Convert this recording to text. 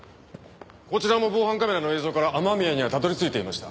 こちらも防犯カメラの映像から雨宮にはたどり着いていました。